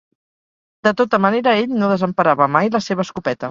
De tota manera, ell no desemparava mai la seva escopeta